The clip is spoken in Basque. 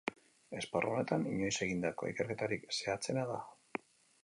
Esparru honetan inoiz egindako ikerketarik zehatzena da.